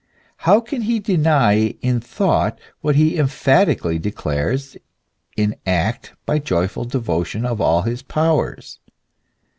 How can he deny in thought, what he em phatically declares in act by the joyful devotion of all his powers